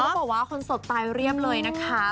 บอกว่าคนสดตายเรียบเลยนะคะ